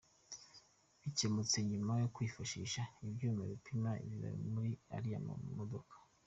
Bikemutse nyuma yo kwifashisha ibyuma bipima biba muri ariya mamodoka.